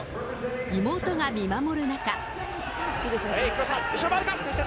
妹が見守る中。